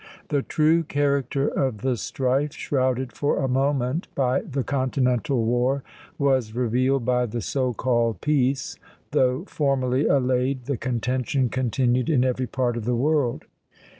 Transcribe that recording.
The true character of the strife, shrouded for a moment by the continental war, was revealed by the so called peace; though formally allayed, the contention continued in every part of the world.